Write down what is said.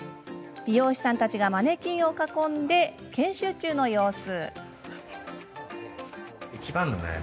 美容師さんたちがマネキンを囲んで研修中の様子。